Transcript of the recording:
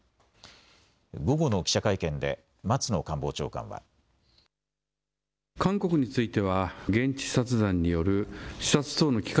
午後の記者会見で松野官房長官は。ではかわって＃